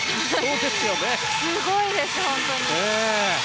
すごいです、本当に。